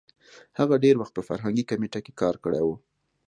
هغه ډېر وخت په فرهنګي کمېټه کې کار کړی وو.